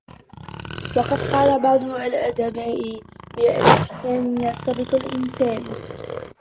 وَقَدْ قَالَ بَعْضُ الْأُدَبَاءِ بِالْإِحْسَانِ يَرْتَبِطُ الْإِنْسَانُ